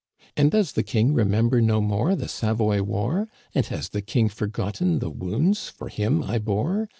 * And does the king remember no more the Savoy War ? And has the king forgotten the wounds for him I bore